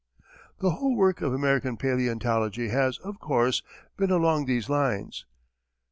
The whole work of American paleontology has, of course, been along these lines.